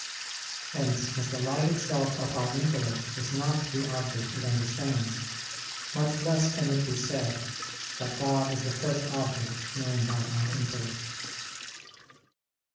Hence, as the light itself of our intellect is not the object it understands, much less can it be said that God is the first object known by our intellect.